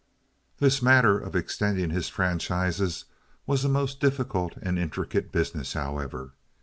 This matter of extending his franchises was a most difficult and intricate business, however.